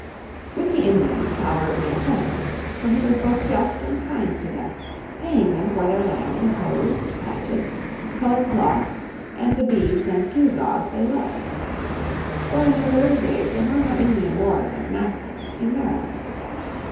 With the Indians Calvert made friends, for he was both just and kind to them, paying them for their land in hoes, hatchets, coloured cloths and the beads and gew gaws they loved. So in those early days there were no Indian wars and massacres in Maryland.